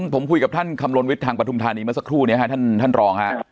ผมคุยกับท่านคำลวนวิทย์ทางประทุมฐานีมาสักครู่เนี่ยท่านรองครับ